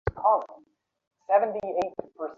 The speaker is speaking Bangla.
মহেন্দ্র কহিল, এখনই।